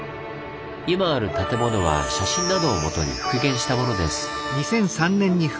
今ある建物は写真などをもとに復元したものです。